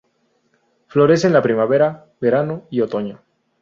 Florece en la primavera, verano y otoño.